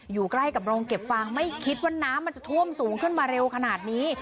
อยู่ใกล้กับโรงเก็บฟางไม่คิดว่าน้ำมันจะท่วมสูงขึ้นมาเร็วขนาดนี้